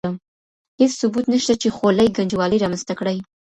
هېڅ ثبوت نشته چې خولۍ ګنجوالی رامنځته کړي.